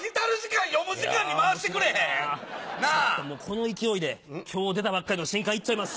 ちょっともうこの勢いで今日出たばっかりの新刊行っちゃいます！